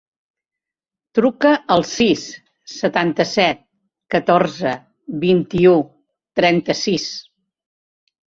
Truca al sis, setanta-set, catorze, vint-i-u, trenta-sis.